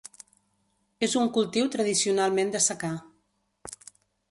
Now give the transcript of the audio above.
És un cultiu tradicionalment de secà.